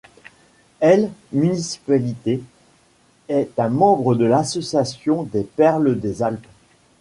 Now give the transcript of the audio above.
L municipalité est un membre de l'association des Perles des Alpes.